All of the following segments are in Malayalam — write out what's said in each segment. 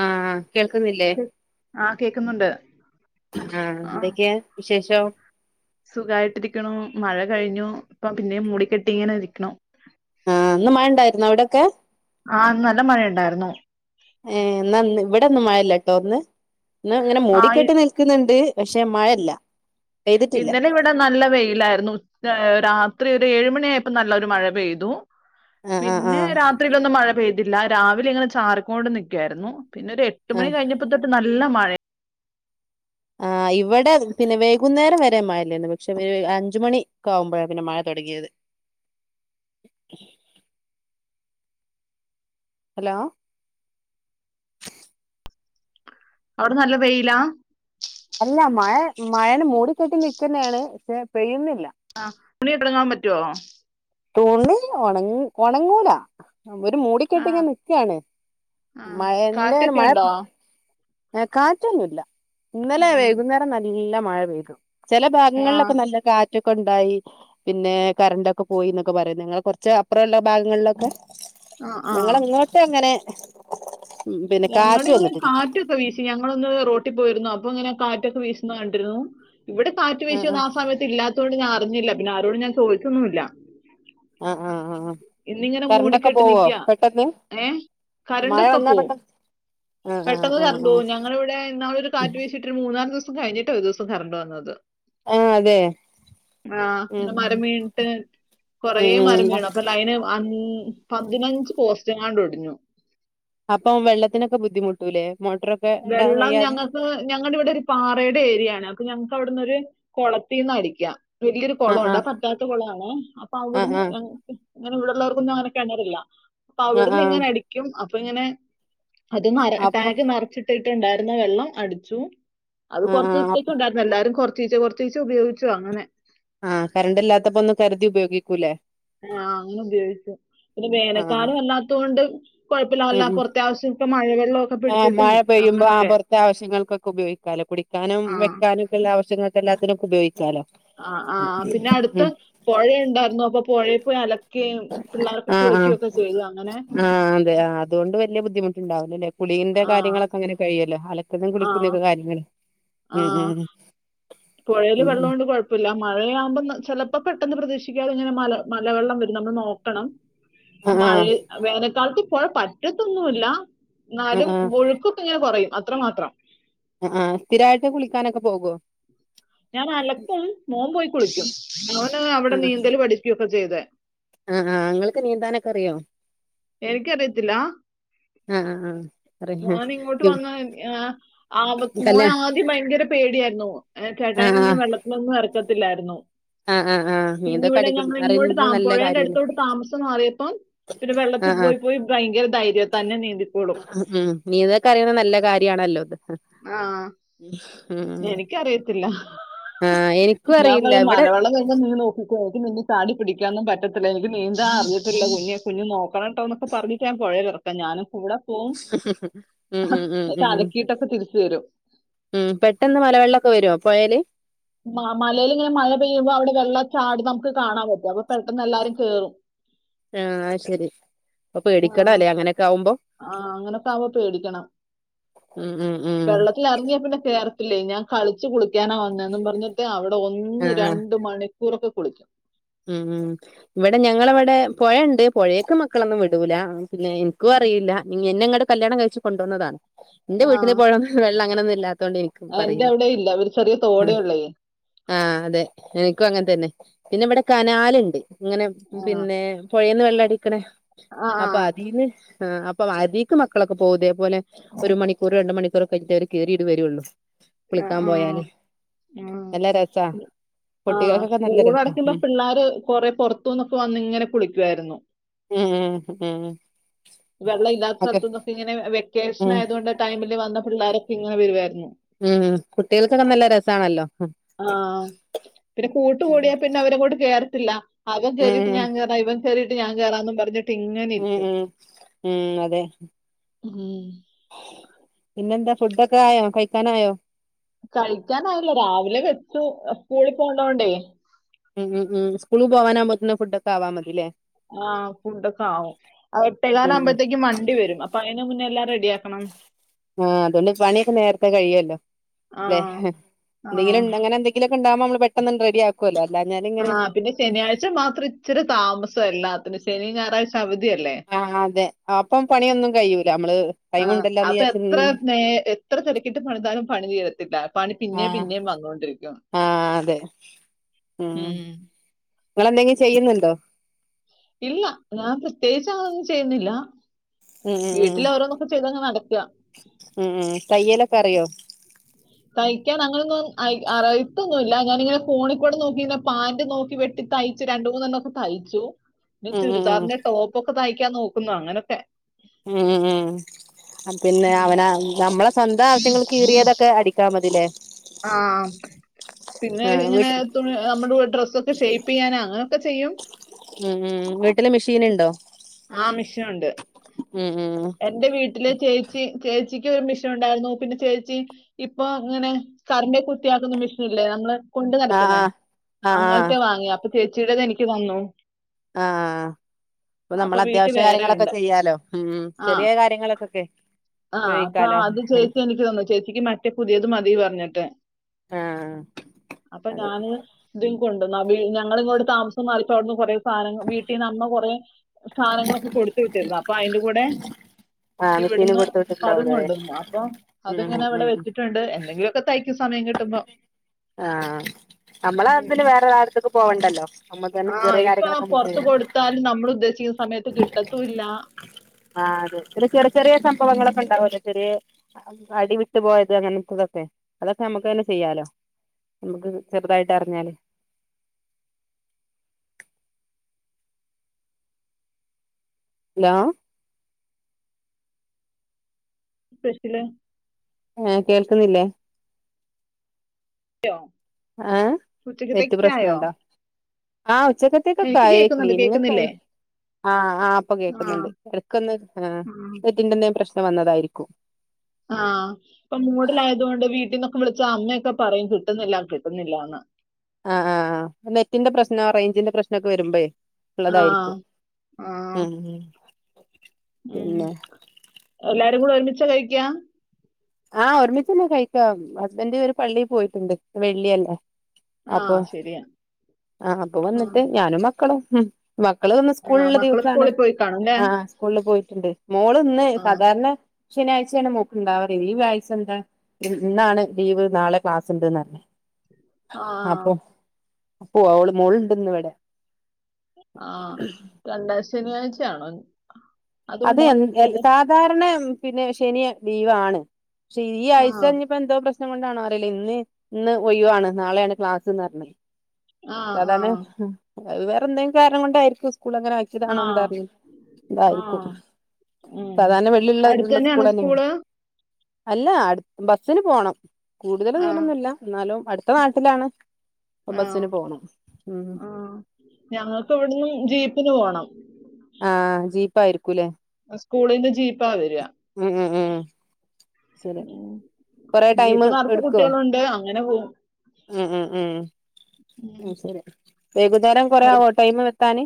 ആഹ കേൾക്കുന്നില്ലേ ആഹ് കേക്കുന്നുണ്ട് ആഹ എന്തൊക്കെയാ വിശേഷം സുഖായിട്ടിരിക്കണ മഴ കഴിഞ്ഞു ഇപ്പ പിന്നെ മൂടിക്കെട്ടി ഇങ്ങനെ ഇരിക്കണം ആഹ് ഇന്ന് മഴ ഉണ്ടായിരിന്നിയോ അവിടൊക്കെ ആഹ നല്ല മഴ ഉണ്ടയിരുന്നു ഏർ നന്ന് ഇവിടെൊന്നും മഴല്ല കേട്ടോ ഒന്ന് എന്ന ഇങ്ങനെ ആഹ് മൂടിക്കെട്ട് നിൽക്കുന്നുണ്ട് പക്ഷേ മഴല്ല ഇന്നലെ ഇവിടെ നല്ല വെയിലായിരുന്നു ഇത്രരി ഒരു ഏഴുമ മണിയായപ്പോൾ നല്ലൊരു മഴ പെയ്തു ആഹ് ആഹ് പിന്നെ ആഹ് രാത്രിയിലൊന്ന്ും മഴ പെയ്തി ഇല്ല രാവിലെ ഇങ്ങനെ ചാരി കൊണ്ട് നികുവായുന് പിന്നെ ഒരു ഏറ്റു ആഹ് മണിക്ക് കഴിഞ്ഞപ്പോഴ തട്ടല്ല നല്ല മഴയാ ആഹ ഇവിടെ പിന്നെ വൈകുന്നേരം വരെ മഴല്ലായിരുന്നു പക്ഷെ ഒരു അഞ്ചുമണി ഒെ ആകുമ്പോഴ പിന്നെ മഴ തുൊടങ്ങിയത് ഹലോ അവിടെ നല്ല വെയിലാ മഴന മൂടിക്കെട്ടി നൽക്കുന്നാണ് പക്ഷെ പെയ്യുന്നില്ല ആ ഉണി തുടങ്ങാൻ പറ്റുവോ തൂണി ഉണ ഉണങ്ങൂലാ അ ഒരു മൂടിക്കെട്ടി ആഹ് ങ്ങെനിക്കാണ് ആഹ് മഴ ന്റെരു കാറ്റൊക്കെ മഴ ഉണ്ടോ ഏ കാറ്റൊന്നുല്ല ഇന്നലെ വൈകുന്നേരം നല്ല മഴ പെയ്തു ചെല ആഹ് ഭാഗങ്ങളിലൊക്കെ നല്ല കാ റ്റൊക്കെണ്ടായി പിന്നെ കരണ്ടൊക്കെ പോയിന്നൊക്കെ പറയുന്നു നിങ്ങൾ കുറച്ച് അപ്രള്ള ഭാഗങ്ങളിലൊക്കെ ആഹ് ആഹ് ഞങ്ങളങ്ങോട്ടങ്ങനെ [inaudible] ഉം പിന്നെ ഞങ്ങടെ കാറ്റു ഇവിടെ വന്നിട്ടില്ല. കാറ്റൊക്കെ വീശി. ഞങ്ങളൊന്ന് റോട്ടി പോയിരുന്നു അപ്പൊങ്ങനെ കാറ്റൊക്ക വീശ്ന്ന് കണ്ടിരുന്നു. ഇവിടെ കാറ്റ് വീശിയൊന്നു ആ സമയത്ത് ഇല്ലാത്തോണ്ട് ഞാ ഞ്ഞില്ല പിന്നെ ആരോടും ഞാൻ ചോയ്ച്ചൊന്നുമില്ല. ആ ആ ആ കറണ്ടൊക്കെ മൂടിക്കെട്ട് പോവോ നിക്കാ. പെട്ടെന്ന്, ഏ? മഴ കറണ്ടൊക്കെ വന്നാ പോവും. പെട്ടെന് പെട്ടെന്ന് കറണ്ടു പോവും ഞങ്ങളിവിടെ ഇന്നാളൊരു കാറ്റ് വീശീട്ടൊരു മൂ ന്നാലു ദിസം കഴിഞ്ഞിട്ട ഒരു ദിസം കറണ്ട് വന്നത് ആ അതെ ആ ഉം ന്നു മരം വീണിട്ട്, കൊറേ ഉം ഉം മരം ഉം. വീണ് അപ്പൊ ലൈന് ആൻ പതിനഞ്ച് പോസ്റ്റെങ്ങാണ്ടൊടിഞ്ഞു. അപ്പം വെള്ളത്തിനൊക്കെ ബുദ്ധിമുട്ടൂല്ലേ? വെള്ളം ഞങ്ങൾക്ക്, ഞങ്ങടിവിടെ ഒരു പാറയുടെ ഏരിയാണ്. ഞങ്ങക്കവിടന്നൊരു കൊളത്തീന്നടിക്കാ വെലിയൊരു ആ ആ കൊളോണ്ട് അ പറ്റാത്ത കൊളാണെ, അപ്പൊ ആ അവിടുന്ന് ആ ഞങ്ങ് ങ്ങനിവിടുള്ളവർക്കൊന്നും അങ്ങനെ കിണറില്ല. ആ ആ അപ്പവിടുന്നിങ്ങനടിക്കും. പ്പിങ്ങനെ അത് മര അപ്പൊ ടാങ്ക് മറച്ചിട് ട്ടുണ്ടായിരുന്ന വെള്ളം അടിച്ചു. അത് ആ ആ കൊറച്ച്സത്തേക്ക് ഒണ്ടാരുന്നു എല്ലാരും കൊറ ചിച് കൊറച്ചീസം ഉപയോഗിച്ചു അങ്ങനെ. ആ കരണ്ടില്ലാത്തപ്പോ ഒന്ന് കരുതി ഉപയോഗിക്കൂല്ലേ? ആ അങ്ങനെ ഉപയോഗിച്ചു. പിന്നെ ആ ആ വേനൽക്കാലം അല്ലാത്തതുകൊണ്ട് കുഴപ്പമില്ല ഉം അല്ല ഉം പുറത്തെ ആവശ്യമൊക്കെ മഴവെള്ളമൊക്കെ ആ പിടിച്ചിട്ടും മഴ പെയ്യുമ്പോ ആ അങ്ങനൊക്കെ പുറത്തെ ആവശ്യങ്ങൾക്കൊക്കെ ഉപയോഗിക്കാലോ കുടിക്കാനും ആ വെക്കാനുക്കെ ഉള്ള ആവശ്യങ്ങൾക്കെല്ലാത്തിനും- ഉപയോയ്ക്കാലോ. ആ ആ പിന്നെ അടുത്ത് പൊഴയുണ്ടായിരുന്നു അപ്പൊ പൊഴേ പോയലക് ആ ആ അങ്ങനെ ആ അതെ ആ അതുകൊണ്ട് വല്ല്യ ബുദ്ധിമുട്ടുണ്ടാവി ല്ലില്ലേ കുളീന്റെ ആ കാര്യങ്ങളൊക്കെ അങ്ങനെ കഴിയ്യല്ലോ? അല് ക്കന്നേം ആ കുളിക്കുന്നയൊക്കെ കാര്യങ്ങള് ഉം ഉം പുഴയില് ഉം വെള്ളം ഉം കൊണ്ട് കുഴപ്പമില്ല മഴയാവുമ്പോ ന്ന് ചിലപ്പോെ പെട്ടെന്ന് പ്രതീക്ഷിക്കാതെ ഇങ്ങനെ മല മലവെള്ളം വരു നമ്മൾ നോക്കണം ആഹ് ആഹ് മഴവേനക്കാലത്ത് പുഴ പറ്റത്തൊന്നുമല്ല ആഹ് എന്നാലും ആഹ് ഒഴുക്കൊക്കെ ഇങ്ങനെ കുറെയും അത്ര മാത്രം ആ് സ്ഥിരമായിട്ട് കുളിക്കാനൊക്കെ പോകോ ഞാൻ അലകും മോൻ പോയി കുളിക്കും മോന് അവിടെ ആഹ് നീന്തല് പഠിക്കും [unintelligible] ചെയ്തെ ആഹ് ങ്ങൾക്ക് നീന്താനൊക്കെ അറിയോ എനിക്കറിയത്തില്ല ആഹ് ആഹ് ആഹ് അറിയാ മോൻ ഇങ്ങോട്ട് വന്ന [unintelligible] മോൻ കല്യാ ആദ്യം ഭയങ്കര പേടിയായിരുന്നു ആഹ് കേട്ടായനൊന്നും ആഹ് വെള്ളത്തിലൊന്നും ഇറക്ക ത്തില്ലായിരുന്നു ആഹ് ആഹ് ആഹ് പിന്ന നീന്തൊക്കെ ഇവിടെ അടിക്കുന്ന ഞങ്ങ ഇങ്ങോട്ട് അറിയുന്നത് ത നല്ല പുഴേന്റെ കാര്യല്ലേ അടുത്തോട്ട് താമസം മാറിയപ്പം പിന്നെ വെള്ള ആഹ് ആഹ് പോയിപോയി ബയ്ങ്കര ധൈര്യ ഉം നീന്തക്ക അറിയുന്നത് നല്ല കാര്യമാണല്ലോ ഇത് ആഹ ഉം എനിക്കറിയത്തില്ല ആഹ് എനിക്കും ഞാൻ പറ അറിയില്ല ഇവിടെ മലവെള്ളം വരുമ്പോൾ നീ നോക്കോ [unintelligible] ചാടി പിടിക്കാനന്നും പറ്റത്തില്ല എനിക്ക് നീന്താ അറിയത്തില്ല കുഞ്ഞെ കുഞ്ഞുഞ് നോക്കണംട്ടോന്നൊക്കെ പറഞ്ഞട്ട് ഞൻ പുഴേറക്ക ഞാനും കൂടെ പോം ഉം ഉം ഉം ഉം ന്നിട്ടലക്കീട്ടൊക്കെ തിര ഉം പെട്ടെന്ന് മലവെള്ളമൊക്കെ വരുമോ പുഴല് മ മലൽ ഇങ്ങനെ മഴ പെയ്യുമ്പോ അവിടെ വെള്ളംചാടും നമുക്ക് കാണാൻ പറ്റും അപ്പൊ പെട്ടെന്ന് എല്ലാവരും കയറും ആഹ ശെരി അപ്പൊ ആ പേടിക്കണം അല്ലെ അങ്ങനൊക്കെ ആവുമ്പോ ആ അങ്ങനോക്കെയാവുമ്പോൾ പേടിക്കണം ഉം ഉം ഉം വെള്ളത്തിറങ്ങിയ പിന്നെ റത്തില്ലേ ഞാൻ കളിച്ച് കുളി ളിക്കാന വന്നന്ന് പറഞ്ഞിട്ട് അവിടെ ഒന്ന് ആഹ് ആഹ് രണ്ട മണി [unintelligible] ഉം ഇവിടെ ഞങ്ങളവിടെ പൊഴണ്ട് പൊയൊക്ക് മക്കളൊന്നും വിടൂല പിന്നെ ഇൻക്കും അറീല്ല എന്നെങ്ങട്ട് കല്യാണം കഴിച്ചു കൊണ്ടുവന്നത എന്റെ ആ വീട്ടില് പോഴെവെള്ള അങ്ങനൊന്നുമില്ല തോണ്ട് എന്റെ പറയില്ല അവിടെ ഇല്ല ഒരു ചെറിയ തോടേ ഉള്ളേ ആ അതെ എനിക്കും അങ്ങനെ തന്നെ പിന്നെ ഇവിടെ കനാലിണ്ട് ഇങ്ങനെ ആ പിന്നെ പുയേന്ന് വെള്ള അടിക്ക്ണ ആ അപ്പൊ ആ അതീന്ന് ആ അപ്പം അതീക്ക് മക്കളൊക്കെ പോകും ഇതേപോലെ ഒരു മണിക്കൂർ രണ്ട് മണിക്കൂർ കഴിഞ്ഞിട്ട് അവർ കേറി ഇങ്ങട് വരുള്ളു ആ വിളിക്കാൻ ആ. പോയാല് നല്ല രസ കുട്ടികൾക്കൊക്കെ നല്ല രസ ഉം ക്കാര് കൊറെ പൊറത്തുന്നൊക്കെ വന്നിങ്ങനെ കുളിക്കുവായിരുന്നു ഉം ഉം ഉം വെള്ള ഇല്ലാത്ത ഒക്കെ സ്ഥലത്ത്ന്നൊക്കെ ഇങ്ങനെ വ്യ ക്കേഷൻ ഉം ആയൊണ്ട് ടൈമി ൽ വന്ന പിള്ളേരൊക്കെങ്ങനെ വരുവായിരുന്നു ഉം കുട്ടികൾക്കൊക്കെ നല്ല രസാണല്ലോ ആ പിന്നെ കൂട്ട് കൂടിയാ പിന്നെ അവരങ്ങോട്ട് കേറ ത്തില്ല അവൻ ഉം കേറിയിട്ട് ഞാൻ കേറാ ഇവൻ കേറിട്ട് ട്ട് ഞാൻ കേറാന്നും പറഞ്ഞ് ഉം ഉം ഉം അതെ ഉം പിന്നെന്താ ഫുഡൊക്കെ ആയോ കയിക്കാനായോ കളിക്കാനായില്ല രാവിലെ വെച്ചു സ്കൂളിൽ പോണ്ടോണ്ടേ ഉം ഉം ഉം ഉസ്‌കൂളിൽ പോവാനാമ്പോളേക്കിലും ഫുഡ്‌ക്കെ ആവാമ്മക്ക് ല്ലേ ആ ഫുഡ്‌ ഒക്കെ ആവും ഉം ഉം എട്ടേക്കാലവുമ്പോഴത്തേക്കും വണ്ടി വരും അപ്പൊ അതിന് മുന്നേ എല്ലാം റെഡ് ഡിയാക്കണം ആ അതുകൊണ്ട് പണിയൊക്കെ നേരത്തേ കഴിയല്ലോ ആ ല്ലേ ആ എന്തെങ്കിലും ഇണ്ട് അങ്ങനെ എന്തെങ്കിലുക്കെ ഉണ്ടാകുമ്പോ നമ്മ പെട്ടെന്ന് റെഡിയാക്കുവല്ലോ ആ പിന്നെ ശനിയാഴ്ച മാത്രം ഇച്ചിരി താമസം എല്ലാ ശനിം ഞാറാഴ്ച അവധ് ആ ആ അതെ അപ്പം പണിയൊന്നും കയൂല്ല ആ അപ്പൊ എത്ര നേ എത്ര തിരക്കിട്ട് പണിതാലും പണി തീരത്തില്ല പണി ആ പിന്നേം പിന്നേം വന്നോണ്ടിരിക്കും ആ അതെ ഉം ഇങ്ങളെന്തെങ്കി ചെയ്യുന്നുണ്ടോ? ഇല്ല ഞാൻ പ്രത്യേകിച്ച് അതൊന്നും ചെയ്യുന്നില്ല. ഉം ഉം ഉം വീട്ടിൽ ഓരോന്നൊക്കെ ചെയ്തങ്ങ് നടക്കുക. ഉം ഉം ഉം തയ്യല്ല പറയോ? തയ്ക്കാൻ അങ്ങനൊന്നും അയ് അറിയത്തൊന്നുല്ല ഞാനിങ്ങനെ ഫോണി കൂടെ നോക്കിെ പാന്റ് നോക്കി വെട്ടി തയ്ച്ചു രണ്ട് മൂന്നെണ്ണം ഒക്കെ തയ്ച്ചു. ന്നെ ഉം ഉം ഉം ചുരിദാറിന്റെ ടോപ്പ് ഒക്കെ തയ്യ് ക്കാൻ നോക്കുന്നു അങ്ങനൊക്കെ. ഉം. പിന്നെ ഉം. അവന നമ്മളെ സ്വന്തം ആവശ്യങ്ങൾ കീറിയതൊക്കെ അടിക്കാൽ മതില്ലേ? ആഹ് പിന്നെ ആ ഇങ്ങനെ വീട്ട തുണി നമ്മുടെ ഡ്രസ്സൊക്കെ ഷേപ്പ് ചെയ്യാനാണ്. ഒക്കെ ചെയ്യും. ഉം ഉം വീട്ടില് മെഷീൻ ഉണ്ടോ? ആ മിഷനുണ്ട് ഉം ഉം എന്റെ വീട്ടില് ചേച്ചി ചേച്ചിക്ക് എനിക്ക് ഒരു മെഷീൻ ഉണ്ടായിരുന്നു പിന്നെ ചേച്ചി ഇപ്പൊ ഇങ്ങനെ കറന്റെ കുത്തിയാക്കുന്ന മെഷീൻ ഇല്ലേ? നമ്മള് കൊണ്ട് ആ നടക്കുന്നേ ആ ആ അങ്ങത്തെ വാങ്ങിയ ചേച്ചിയടേത് എനിക്ക് തന്നു. ആഹ് ആഹ്. ഇപ്പൊ അപ്പൊ നമ്മൾ വീട്ടിൽ അത്യാവശ്യ വേറെ കാര്യങ്ങളൊക്കെ ഉണ്ട്. ചെയ്യാലോ. ഉം ഉം ചെറിയ കാര്യങ്ങളൊകൊക്കെ, ആഹ് അപ്പൊ അത് ചേച്ചി എനിക്ക് തന്നു ചേച്ചിക്ക് മറ്റേ പുതിയത് മതി പറഞ്ഞിട്ടെ, ആ അപ്പൊ അതെ ഞാന് ഇത് [unintelligible] ഞങ്ങള് ഇങ്ങോട്ട് താമസം മാറീപ്പൊ അവിട്നന്ന് കുറേ സാനങ്ങൾ വീട്ടിൽന്ന് അമ്മ കൊറെ സാധനങ്ങളൊക്കെ കൊടുത്തു വിട്ടിരുന്നു അപ്പൊ അതിന്റെ കൂടെ ആഹ് മെഷീനും ഇവിടുന്ന് കൊടുത്ത് അതും വിട്ടിട്ടുണ്ടാവൂലേ കൊണ്ടന്ന്, അപ്പൊ ഉം അതങ്ങനെ ഉം അവിടെ ഉം വെച്ചിട്ടുണ്ട് എന്തെങ്കിലുമൊക്കെ തയ്ക്ക സമയം കിട്ടുമ്പോ ആഹ് നമ്മള് [unintelligible] വേറൊരാൾത്തുക് പോവണ്ടല്ലൊ. ആഹ് ഇപ്പൊ പൊററത്ത് കൊടുത്താലും നമ്മൾ ഉദ്ദേശിക്കുന്ന സമയത്ത് കിട്ടത്തുല്ലാ. ആഹ് അതെ ചെറിയ ചെറിയ സംഭവങ്ങളൊക്കെ ഉണ്ടാവുമല്ലോ, ചെറിയ അടി വിട്ടുപോയത് അങ്ങനത്തതൊക്കെ അതൊക്കെ നമുക്ക് തന്നെ ചെയ്യാലോ, നമുക്ക് ചെറുതായിട്ട് അറിഞ്ഞാല്. ഹലോ! [unintelligible] ഏഹ് കേൾക്കുന്നില്ലേ? [unintelligible] ഏഹ് നെറ്റ് ഉച്ചക്കത്തേക്കായോ പ്രശ്നൊണ്ടോ? ആ എനിക്ക് ഉച്ചക്കത്തേക്കൊക്കെയായി കേൾക്കുന്നുണ്ട് ക്ലീനിങ് ഒക്കെ, കേൾക്കുന്നില്ലേ ആ ആപ്പൊ ആ കേക്കുന്നുണ്ട് ഇടക്കൊന്ന് ആ നെറ്റിന്റെന്തേ. പ്രശ്ന വന്നതായിരിക്കും. ആഹ് ഇപ്പൊ മൂടിലായതുകൊണ്ട് വീട്ടന്നൊ വിളിച്ചാ അമ്മയൊക്കെ പറയും കിട്ടുന്നില്ല കിട്ടുന്നില്ലന്ന്. ആഹ് ആഹ് നെറ്റിന്റെ പ്രശ്നം റേഞ്ചിന്റെ പ്രശ്നമൊക്കെ വരുമ്പോ ആഹ് ഉള്ളതായിരിക്കും ആഹ് ഉം ഉം പിന്നെ നിങ്ങൾ കൂടെ ഒരുമിച്ച കഴിക്ക ആഹ് ഒരുമിച്ചന്നെ കഴിക്കാ ഹസ്ബൻഡ് ഒരു പള്ളിയിൽ പോയിട്ടുണ്ട് വെള്ളിയല്ലേ അപ്പൊ ആഹ് ശെരിയാ. ആഹ് അപ്പൊ ആഹ് വന്നിട്ട് ഞാനും മക്കളും ഉം മക്കള് ഇന്ന് സ്കൂൾ ആഹ് ഉള്ള മക്കള് ദിവസാണ് സ്കൂളിൽ പോയി കാണുംല്ലേ? ആ സ്കൂള് പോയി ഉണ്ട് മോള് ഇന്ന് ആഹ് സാധാരണ ശനിയാഴ്ചയാണ് മോൾക്ക് ഇണ്ടാവ പിന്നെ ഈ ആഴ്ച എന്താ ഇന്നാണ് ലീവ് നാളെ ക്ലാസ് ഇണ്ടെന്ന പറഞ്ഞേ ആ ഉവ്വ ഓള് മോള് ഇണ്ടെന്ന് ഇവിടെ ആ രണ്ടാഴ് ശനിയാഴ്ച്ചയാണോ അതെ സാധാരണ പിന്നെ ശനി ലീവാണ് പക്ഷെ ഈ ആഴ്ച്ച ആഹ് ഇനി ഇപ്പ എന്തുവാ പ്രശ് ശ്നം കൊണ്ടാണോ അറിയില്ല ഇന്ന് ഇന്ന് ഒയിവാണ് നാളെയാണ് ക്ലാസ്സെന്ന് പറഞ്ഞത് ആഹ് സാധാരണ ആഹ് അത് വേറെയെന്തെങ്കിലും കാരണം കൊണ്ടായിരിക്കും സ് സ്കൂളങ്ങനെ വെച്ചതാണോ എന്താ ആഹ് അറിയില്ല എന്തായി ക്കും ആഹ് ഉം സാധാരണ വെള്ളി ഉള്ള അടുത്ത് ഉള്ള സ്ക്കൂൾ തന്നെയാണോ ആണ് സ്കൂള്? അല്ല അടു ബസ്സിന് പോണം കൂടുതല് ദൂരമൊന്നും ഇല്ല എന്നാലും അടു ത്ത നാട്ടിലാണ് അപ്പൊ ആ ബസ്സിന് പോണം ഉം ആ ഞങ്ങക്ക് ഇവടന്ന് ജീപ്പിന് പോണം ആ ജീപ്പായിരിക്കൂലെ സ്കൂളിൻ്റെ ജീപ്പാ വരുവാ ഉം ഉം ഉം ശരി കൊറെ ടൈം ജീപ്പ് നറച്ചു എടുക്കുവോ കുട്ടികളുണ്ട് അ അങ്ങനെ പോവും ഉം ഉം ഉം ഉം ശരിയ വൈകുന്നേരം കൊറെ അത് ആവോ ടൈമ് എത്താൻ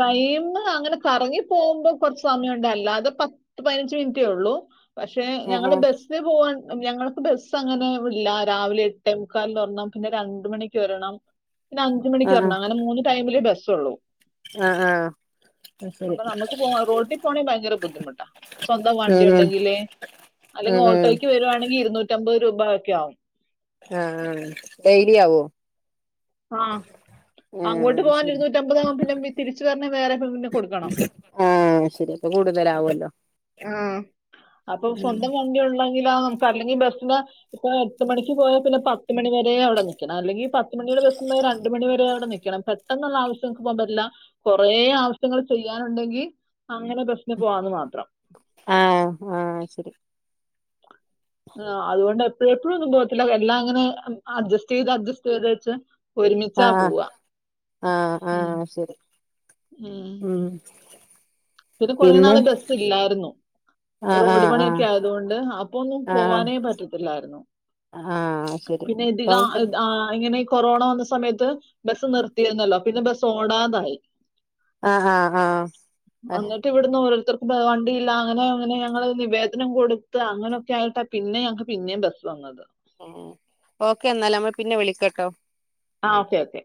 ടൈം അങ്ങനെ കറങ്ങി പോവുമ്പോ കുറച്ച് സമയമുണ്ട് അല്ലാതെ പത്ത് പതിനഞ്ച് മിനിറ്റേ ഉള്ളു പക്ഷെ ഉം ഞങ്ങള് ഉം ബസ് പോവാൻ ഞങ്ങള് ബസ്സ് അങ്ങനെ ഇല്ല രാവിലെ എട്ടേ മുക്കാലിന് ഒരണം രണ്ട് മണിക്ക് ഒരണം പിന്നെ അഞ്ച് മണിക്ക് ഉം ഉം ഒരണം അങ്ങനെ മൂന്ന് ടൈമില് ബസ്സ് സ്സൊള്ളു ആഹ് ആഹ് ഉം അപ്പൊ നമുക്ക് പോ റോട്ടി പോണേൽ ഭയങ്കര ബുദ്ധിമുട്ടാ സ്വന്തം വണ്ടി ഉം ഉം ഉണ്ടെങ്കിലെ അല്ലെങ്കി ഉം ഓട്ടോയ്ക്ക് വരുവാണെങ്കിൽ ഇരുന്നൂറ്റമ്പത് രു രൂപക്കെ ആവും ആ ഡൈയ്ലി ആവോ ആ അങ്ങോട്ട് ആഹ് പോവാൻ ശരി ഇരുന്നൂറ്റമ്പതാകും പിന്നെ തിരിച്ചു വരണേ വേറെ പിന്നെ കൊടുക്കണം ആഹ് ശരി അപ്പൊ കൂടുതലാവല്ലോ ആ അപ്പൊ സ്വന്തം വണ്ടിയുള്ള അല്ലെങ്കി ബസിന് ഇപ്പ എട്ട് മണിക്ക് പോയാ പിന്നെ പത്ത് മണി വരെ അവിടെ നിക്കണം അല്ലെങ്ക ത്തിനുള്ളില് രണ്ട് മണി വരെ അവിടെ നിക്കണം പെട്ടെന്നുള്ള ആവശ്യങ്ങക്ക് പോകാൻ പറ്റില്ല കൊറേ ആവശ്യങ്ങൾ ചെയ്യാനുണ്ടെങ്കിൽ അങ്ങനെ ബസ്സിന് പോവാന്ന് മാത്രം ആ ആ ശരി ആ അതുകൊണ്ട് എപ്പഴു എപ്പഴുവൊന്നും പോത്തില്ല എല്ലാം ഇങ്ങനെ അഡ്ജസ്റ്റ് ചെയ്ത് അഡ്ജസ്റ്റ് ചെയ്ത് വെച്ച് ഒരുമിച്ചാ ആഹ് പോവാ ആഹ് ഉം ആഹ് ശരി ഉം പിന്നെ കുറേ നാള് ബസ്സില്ലാരുന്നു ആഹ് റോഡ് ആഹ് പണിയൊക്കെ ആയതുകൊണ്ട് അപ്പൊ ഒന്നും ആഹ് പോവാനേ പറ്റത്തില്ലായിരുന്നു ആഹ് ആഹ് ശരി പിന്നെ ഇതി താ അപ്പം ഇത് ഇങ്ങനെ കൊറോണ വന്ന സമയത്ത് ബസ് നിർത്തിയിരുന്നല്ലോ പിന്നെ ബസോടാതായി ആഹാ ആം എന്നിട്ട് ഇവിടുന്ന് ഓരോരുത്തർ വണ്ടില്ല അങ്ങനെ അങ്ങനെ ഞങ്ങള് നിവേദനം കൊടുത്ത് അങ്ങനെയൊക്കെ ആയിട്ടാ പിന്നെ ഞങ്ങക്ക് പിന്നേം ബസ്സ് വന്നത് ഉം ഓക്കെ എന്നാല് നമ്മള് പിന്നെ വിളിക്കാട്ടോ ആ ഓക്കെ ഓക്കെ